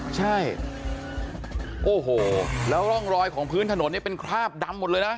ใช่โอ้โหแล้วร่องรอยของพื้นถนนเนี่ยเป็นคราบดำหมดเลยนะ